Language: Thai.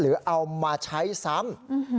หรือเอามาใช้สำ